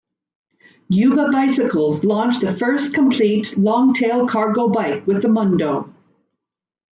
Yuba Bicycles launched the first complete longtail cargo bike with the Mundo.